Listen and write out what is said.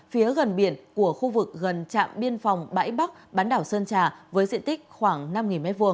phía gần biển của khu vực gần trạm biên phòng bãi bắc bán đảo sơn trà với diện tích khoảng năm m hai